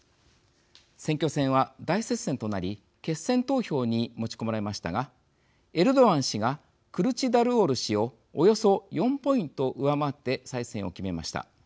選挙戦は大接戦となり決選投票に持ち込まれましたがエルドアン氏がクルチダルオール氏をおよそ４ポイント上回って再選を決めました。